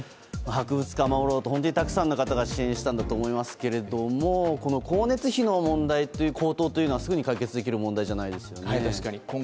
博物館を守ろうと本当にたくさんの方が支援したんだろうと思いますがこの光熱費高騰の問題というのはすぐに解決できる問題じゃないですよね。